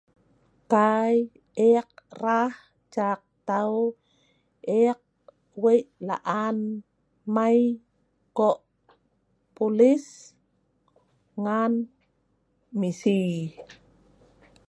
Kai ek raah caak tau, ek wei' laan mai ko' polis ngan misi